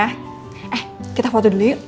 eh kita foto dulu yuk